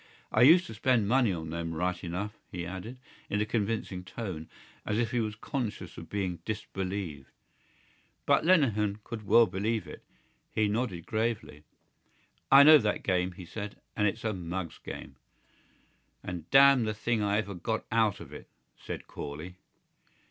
I used to spend money on them right enough," he added, in a convincing tone, as if he was conscious of being disbelieved. But Lenehan could well believe it; he nodded gravely. "I know that game," he said, "and it's a mug's game." "And damn the thing I ever got out of it," said Corley.